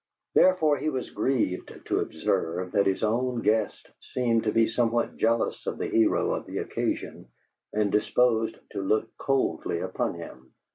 Therefore he was grieved to observe that his own guest seemed to be somewhat jealous of the hero of the occasion and disposed to look coldly upon him.